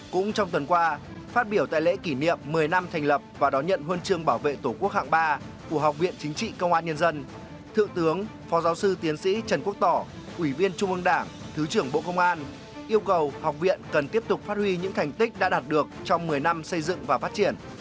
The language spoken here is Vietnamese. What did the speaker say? cũng trong tuần qua phát biểu tại lễ kỷ niệm một mươi năm thành lập và đón nhận huân chương bảo vệ tổ quốc hạng ba của học viện chính trị công an nhân dân thượng tướng phó giáo sư tiến sĩ trần quốc tỏ ủy viên trung ương đảng thứ trưởng bộ công an yêu cầu học viện cần tiếp tục phát huy những thành tích đã đạt được trong một mươi năm xây dựng và phát triển